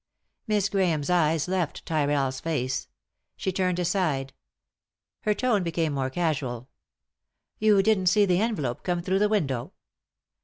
Miss Grahame's eyes left Tyrrell's face. She turned aside. Her tone became more casual. " You didn't see the envelope come through the window?"